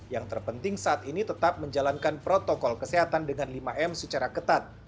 yang terpenting saat ini tetap menjalankan protokol kesehatan dengan lima m secara ketat